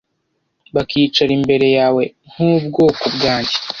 bakicara imbere yawe nk’ubwoko bwanjye,